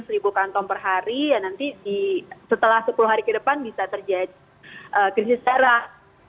seribu kantong per hari ya nanti setelah sepuluh hari ke depan bisa terjadi krisis darah